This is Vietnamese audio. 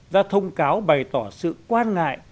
ra thông cáo bày tỏ sự quan ngại